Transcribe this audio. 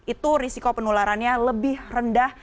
itu risiko penularannya lebih rendah